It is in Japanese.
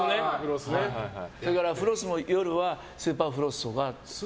それから、フロスも夜はスーパーフロスとか。